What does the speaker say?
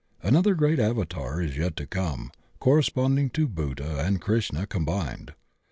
Another great Avatar is yet to come, corresponding to Buddha and Krishna combined.